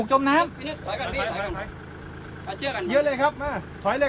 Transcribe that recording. กรีมวิทยาศาสตรา